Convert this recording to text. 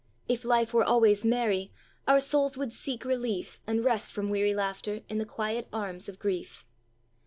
"If life were always merry, Our souls would seek relief And rest from weary laughter In the quiet arms of grief."